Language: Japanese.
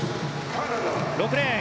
６レーン